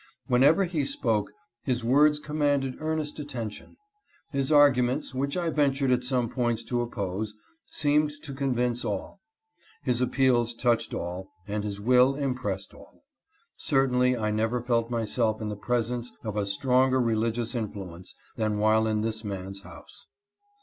Whenever he spoke his words commanded earnest attention. His arguments, which I ventured at some points to oppose, seemed to HIS APPEARANCE. 339 convince all ; his appeals touched all, and his will im pressed all. Certainly I never felt myself in the presence of a stronger religious influence than while in this man's house.